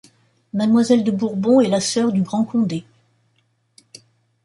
Mademoiselle de Bourbon est la sœur du grand Condé.